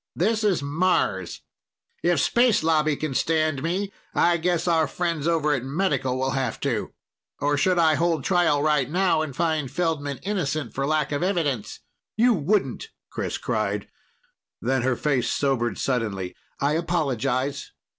This is Mars. If Space Lobby can stand me, I guess our friends over at Medical will have to. Or should I hold trial right now and find Feldman innocent for lack of evidence?" "You wouldn't!" Chris cried. Then her face sobered suddenly. "I apologize.